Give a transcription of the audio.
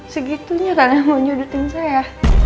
segitunya karena mau nyudutin saya